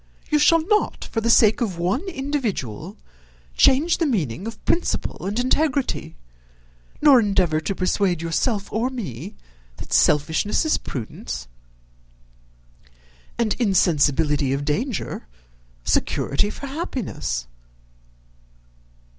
You shall not, for the sake of one individual, change the meaning of principle and integrity, nor endeavour to persuade yourself or me, that selfishness is prudence, and insensibility of danger security for happiness."